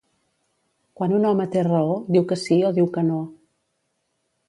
Quan un home té raó diu que sí o diu que no.